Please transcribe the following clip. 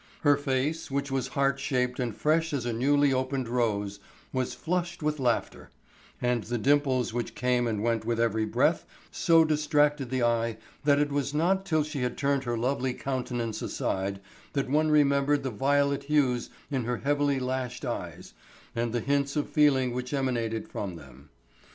Her face, which was heart shaped and fresh as a newly opened rose, was flushed with laughter, and the dimples which came and went with every breath so distracted the eye that it was not till she had turned her lovely countenance aside that one remembered the violet hues in her heavily lashed eyes and the hints of feeling which emanated from them.